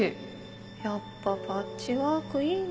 やっぱパッチワークいいな。